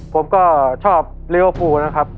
ผมก็ชอบลิเวอร์ฟูลนะครับ